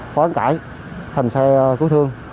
khói cãi thành xe cứu thương